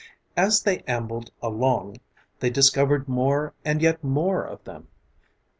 As they ambled along they discovered more and yet more of them.